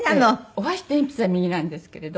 お箸と鉛筆は右なんですけれど。